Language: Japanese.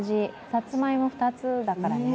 さつまいも２つだからね。